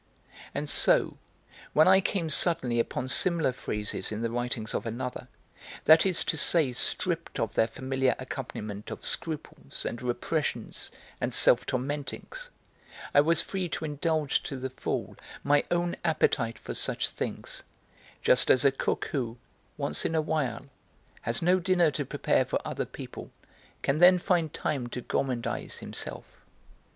And so, when I came suddenly upon similar phrases in the writings of another, that is to say stripped of their familiar accompaniment of scruples and repressions and self tormentings, I was free to indulge to the full my own appetite for such things, just as a cook who, once in a while, has no dinner to prepare for other people, can then find time to gormandise himself.